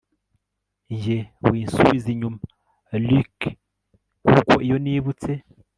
Njye winsubiza inyuma Ricky kuko iyo nibutse